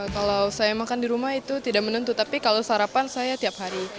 kalau saya makan di rumah itu tidak menentu tapi kalau sarapan saya tiap hari